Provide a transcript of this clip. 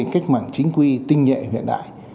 cách mạng chính quy tinh nhuệ hiện đại